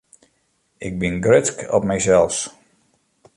Ik bin grutsk op mysels.